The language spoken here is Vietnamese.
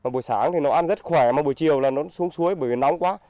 buổi sáng thì nó ăn rất khỏe mà buổi chiều là nó xuống suối bởi vì nóng quá